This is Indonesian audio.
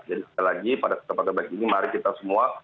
jadi sekali lagi pada setempat terbaik ini mari kita semua